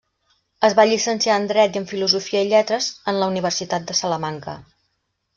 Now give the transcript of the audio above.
Es va llicenciar en Dret i en Filosofia i Lletres en la Universitat de Salamanca.